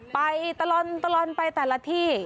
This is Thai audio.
ไปตลอดไปแต่ละที่